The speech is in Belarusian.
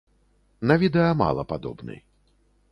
На відэа мала падобны.